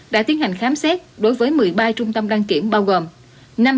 đã tiến hành khám xét đối với một mươi ba trung tâm đăng kiểm bao gồm